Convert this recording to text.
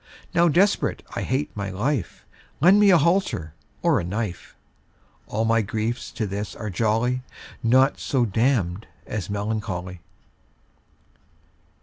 Now desperate I hate my life, Lend me a halter or a knife; All my griefs to this are jolly, Naught so damn'd as melancholy.